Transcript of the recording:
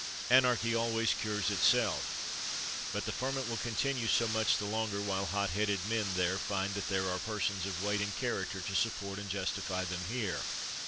Anarchy always cures itself; but the ferment will continue so much the longer while hotheaded men there find that there are persons of weight and character to support and justify them here.